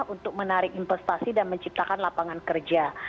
untuk menarik investasi dan menciptakan lapangan kerja